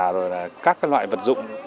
rồi là các loại vật dụng